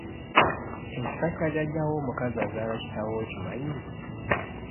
Ekika kya Jjaajjaawo omukazi azaala kitaawo okimanyi?